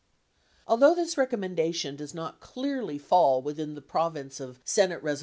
Although this recommendation does not clearly fall within the prov ince of S. Res.